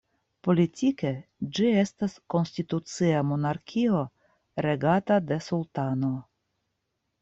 Politike ĝi estas konstitucia monarkio regata de sultano.